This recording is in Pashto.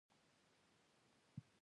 کېږدۍ د بشري لاسته راوړنو یوه برخه ده